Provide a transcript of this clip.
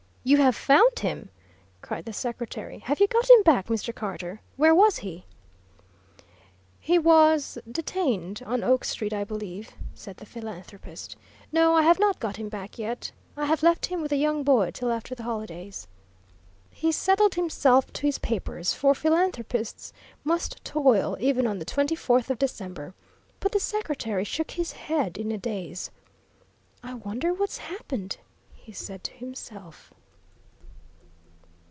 "You have found him?" cried the secretary. "Have you got him back, Mr. Carter? Where was he?" "He was detained on Oak Street, I believe," said the philanthropist. "No, I have not got him back yet. I have left him with a young boy till after the holidays." He settled himself to his papers, for philanthropists must toil even on the twenty fourth of December, but the secretary shook his head in a daze. "I wonder what's happened?" he said to himself.